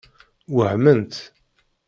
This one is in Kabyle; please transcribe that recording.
Wehment.